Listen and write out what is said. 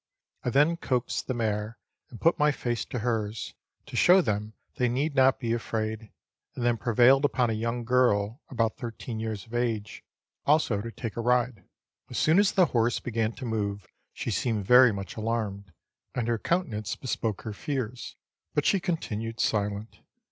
I then coaxed the mare, and put my face to hers, to show them they need not be afraid, and then pre vailed upon a young girl, about thirteen years of age, also to take a ride. As soon as the horse began to move she seemed very much alarmed, and her countenance bespoke her fears, but she continued silent.